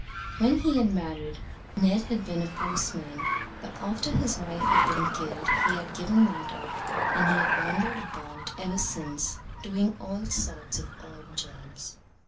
When he had married, Ned had been a postman, but after his wife had been killed he had given that up; and he had wandered about ever since, doing all sorts of odd jobs.